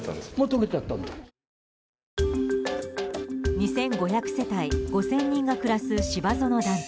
２５００世帯５０００人が暮らす芝園団地。